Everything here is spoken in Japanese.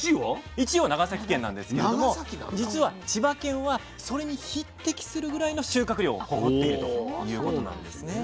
１位は長崎県なんですけれどもじつは千葉県はそれに匹敵するぐらいの収穫量を誇っているということなんですね。